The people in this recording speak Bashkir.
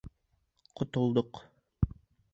Ҡотолдоҡ!